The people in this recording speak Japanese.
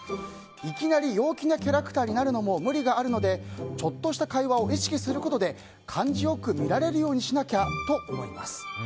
いきなり陽気なキャラクターになるのも無理があるのでちょっとした会話を意識することで感じ良く見られるようにしなきゃと思います。